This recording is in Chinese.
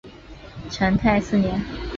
成泰四年。